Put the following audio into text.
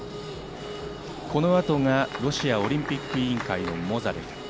この後がロシアオリンピック委員会のモザレフ。